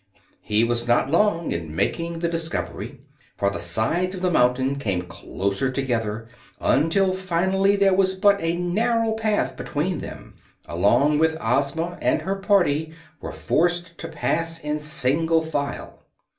He was not long in making the discovery, for the sides of the mountain came closer together until finally there was but a narrow path between them, along which Ozma and her party were forced to pass in single file.